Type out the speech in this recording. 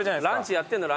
ランチ。